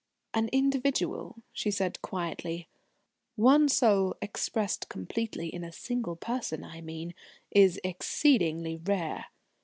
"An individual," she said quietly, "one soul expressed completely in a single person, I mean, is exceedingly rare.